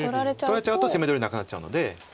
取られちゃうと攻め取りなくなっちゃうので。